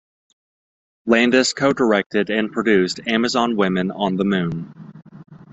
Landis co-directed and produced "Amazon Women on the Moon".